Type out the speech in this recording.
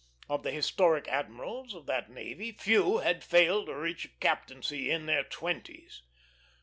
Of the historic admirals of that navy, few had failed to reach a captaincy in their twenties.